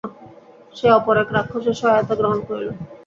সে অপর এক রাক্ষসের সহায়তা গ্রহণ করিল।